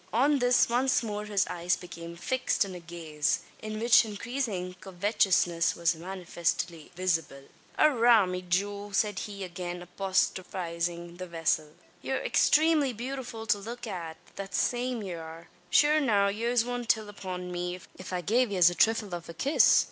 On this once more his eyes became fixed in a gaze, in which increasing covetousness was manifestly visible. "Arrah, me jewel!" said he, again apostrophising the vessel, "ye're extramely bewtifull to look at that same ye arr. Shure now, yez wudn't till upon me, if I gave yez a thrifle av a kiss?